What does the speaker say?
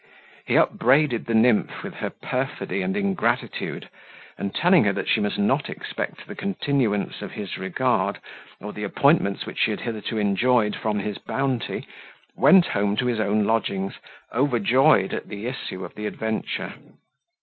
He upbraided the nymph with her perfidy and ingratitude; and telling her that she must not expect the continuance of his regard, or the appointments which she had hitherto enjoyed from his bounty, went home to his own lodgings, overjoyed at the issue of the adventure.